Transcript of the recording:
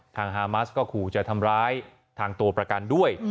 ฮามัสก็ขู่จะทำร้ายทางตัวประกันด้วย